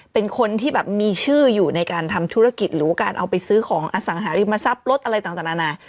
เป็นคนที่แบบมีชื่ออยู่ในการทำธุรกิจหรือการเอาไปซื้อของอสังหาริมทรัพย์รถอะไรต่างนานา